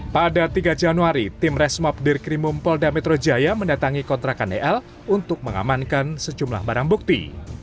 pada tiga januari tim resmob dirkrimum polda metro jaya mendatangi kontrakan el untuk mengamankan sejumlah barang bukti